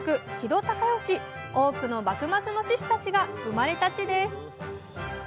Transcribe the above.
多くの幕末の志士たちが生まれた地です。